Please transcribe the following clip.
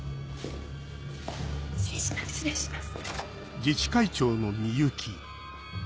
失礼します。